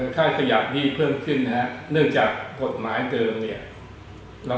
ค่าขยะที่เพิ่มขึ้นเนื่องจากกฎหมายเติม